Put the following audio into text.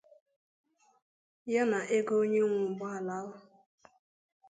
ya na ego onye nwe ụgbọala ahụ